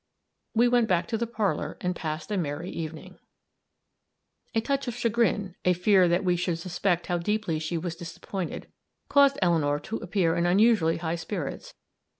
We went back to the parlor and passed a merry evening. A touch of chagrin, a fear that we should suspect how deeply she was disappointed, caused Eleanor to appear in unusually high spirits.